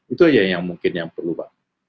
itu aja yang mungkin yang perlu pak